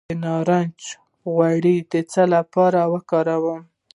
د نارنج غوړي د څه لپاره وکاروم؟